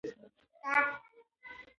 مور یې د لور د راتلونکي په اړه اندېښمنه وه.